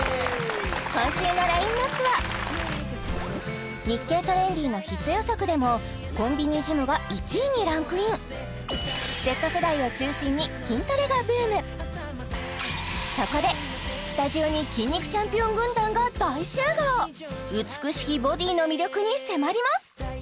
今週のラインナップは「日経トレンディ」のヒット予測でもコンビニジムが１位にランクインＺ世代を中心にそこでスタジオに美しきボディの魅力に迫ります